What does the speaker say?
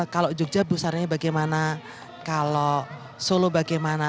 kalau jogja busananya bagaimana kalau solo bagaimana